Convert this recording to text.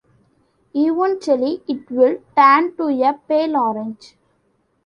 Eventually it will turn to a pale orange.